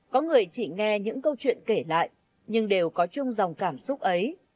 có người chỉ nghe những câu chuyện kể lại nhưng đều có chung dòng cảm xúc ấy